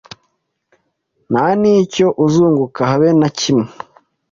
nta nicyo uzunguka habe na kimwe